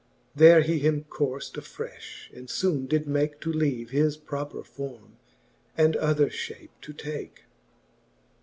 There he him courft: a frefli, and foone did make To leave his proper forme_, and other fliape to take.